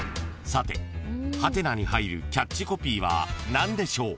［さてハテナに入るキャッチコピーは何でしょう？］